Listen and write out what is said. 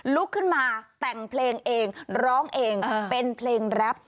ลุกขึ้นมาแต่งเพลงเองร้องเองเป็นเพลงแรป